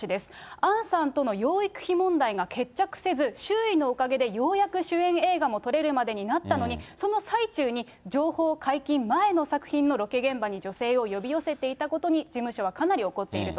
杏さんとの養育費問題が決着せず、周囲のおかげでようやく主演映画も撮れるまでになったのに、その最中に、情報解禁前の作品のロケ現場に女性を呼び寄せていたことに、事務所はかなり怒っていると。